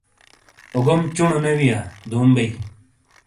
اوگوم چُونو نے وِیا دُوم بیئی۔